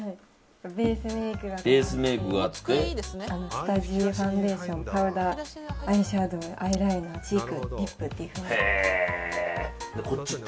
ベースメイク下地、ファンデーションパウダーアイシャドウアイライナー、チークリップっていうふうに。